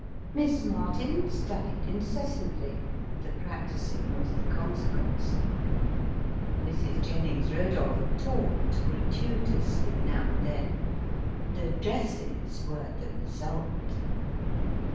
Miss Martin studied incessantly the practising was the consequence. Mrs. Jennings Rodolph taught gratuitously now and then the dresses were the result.